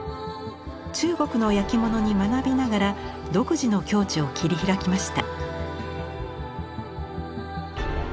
中国の焼き物に学びながら独自の境地を切り開きました。